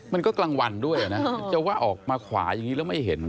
มันก็กลางวันด้วยนะจะว่าออกมาขวาอย่างนี้แล้วไม่เห็น